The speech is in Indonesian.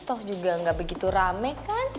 toh juga nggak begitu rame kan